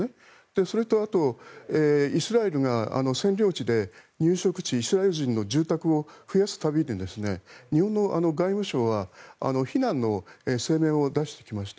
それと、イスラエルが占領地で入植地、イスラエル人の住宅を増やす度に日本の外務省は非難の声明を出してきました。